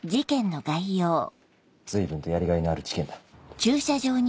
随分とやりがいのある事件だ。